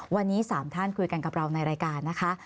วันนี้๓ท่านคุยกันกับเราในรายการนะคะ